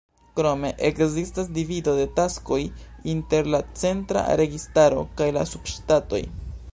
Krome, ekzistas divido de taskoj inter la centra registaro kaj la subŝtatoj.